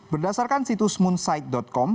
berdasarkan situs moonsight com